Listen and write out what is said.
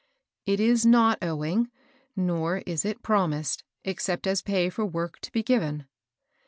^^ It is not owing ; nor is it promised, except as pay for work to be given."